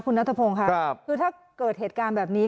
คุณนัทพงศ์ค่ะคือถ้าเกิดเหตุการณ์แบบนี้